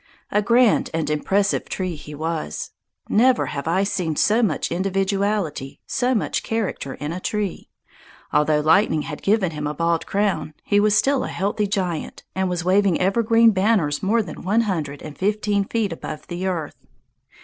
A grand and impressive tree he was. Never have I seen so much individuality, so much character, in a tree. Although lightning had given him a bald crown, he was still a healthy giant, and was waving evergreen banners more than one hundred and fifteen feet above the earth.